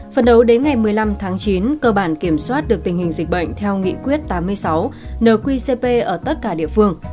phần đầu đến ngày một mươi năm tháng chín cơ bản kiểm soát được tình hình dịch bệnh theo nghị quyết tám mươi sáu nqcp ở tất cả địa phương